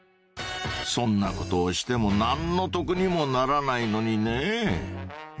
そんなことをしても何の得にもならないのにね。